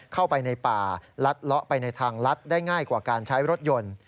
เข้าไปในป่าลัดเลาะไปในทางลัดได้ง่ายกว่าการใช้รถยนต์